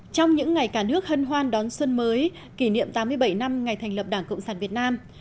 trong những ngày cả nước hân hoan đón xuân mới kỷ niệm tám mươi bảy năm ngày thành lập đảng cộng sản việt nam